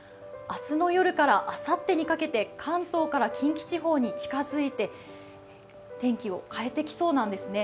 明日の夜からあさってにかけて関東から近畿地方に近づいて、天気を変えてきそうなんですね。